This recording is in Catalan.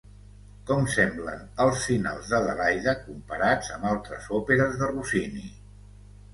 Com semblen els finals d'Adelaide comparats amb altres òperes de Rossini?